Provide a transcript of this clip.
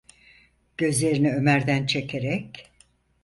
Gözlerini Ömer’den çekerek: